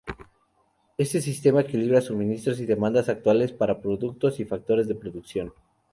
Este sistema equilibra suministros y demandas actuales para productos y factores de producción.